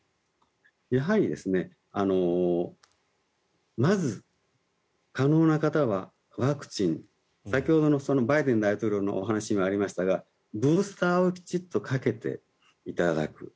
やはりまず、可能な方はワクチン先ほどのバイデン大統領のお話にもありましたがブースターをきちっとかけていただく。